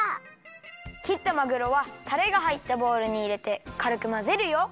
きったまぐろはたれがはいったボウルにいれてかるくまぜるよ。